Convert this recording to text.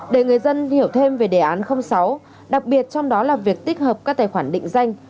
để người dân hiểu thêm về đề án sáu đặc biệt trong đó là việc tích hợp các tài khoản định danh